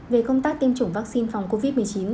về công tác tiêm chủng vaccine phòng covid một mươi chín